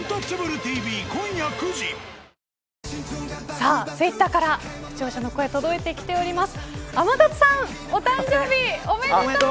さあ、ツイッターから視聴者の声届いてきております。